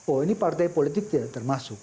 oh ini partai politik tidak termasuk